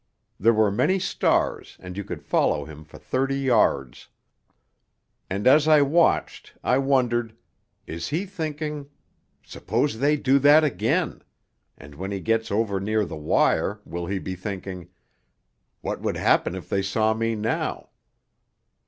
There were many stars, and you could follow him for thirty yards. And as I watched I wondered, 'Is he thinking, "Supposing they do that again?" and when he gets over near the wire, will he be thinking, "_What would happen if they saw me now?